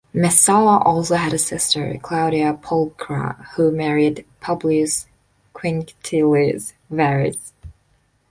Messala also had a sister Claudia Pulchra who married Publius Quinctilius Varus.